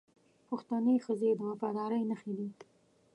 پښتنې ښځې د وفادارۍ نښې دي